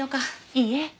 いいえ。